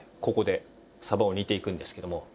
ここで鯖を煮ていくんですけども。